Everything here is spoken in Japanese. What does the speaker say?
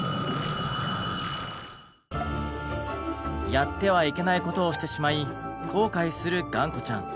やってはいけないことをしてしまい後悔するがんこちゃん。